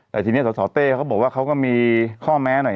แต่ทีนี้สสเต้เขาบอกว่าเขาก็มีข้อแม้หน่อย